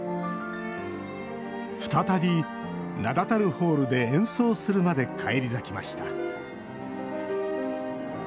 再び名だたるホールで演奏するまで返り咲きました